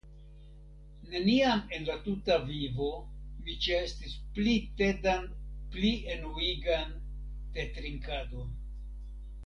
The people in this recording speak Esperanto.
Neniam en la tuta vivo mi ĉeestis pli tedan pli enuigan tetrinkadon.